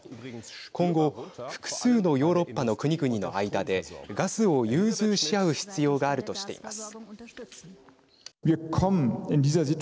今後複数のヨーロッパの国々の間でガスを融通し合う必要があるとしています。